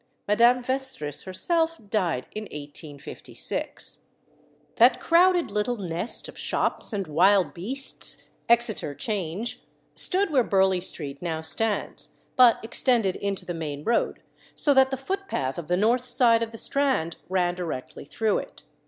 Madame Vestris herself died in 1856. "That little crowded nest" of shops and wild beasts, Exeter Change, stood where Burleigh Street now stands, but extended into the main road, so that the footpath of the north side of the Strand ran directly through it.